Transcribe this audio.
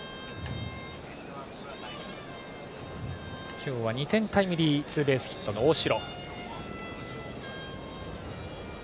今日は２点タイムリーツーベースヒットの大城。